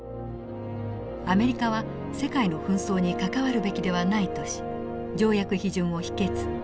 「アメリカは世界の紛争に関わるべきではない」とし条約批准を否決。